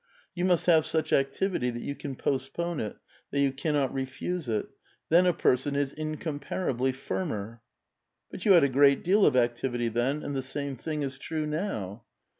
You must have such activity that you can postpone it, that you cannot refuse it; then a person is incomparably firmer." " But 3'ou had a great deal of activity then, and the same thing is trae now."